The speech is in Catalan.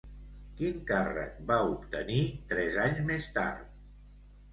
Quin càrrec va obtenir tres anys més tard?